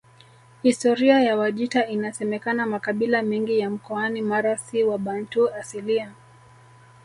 Historia ya Wajita Inasemekana makabila mengi ya mkoani Mara si wabantu asilia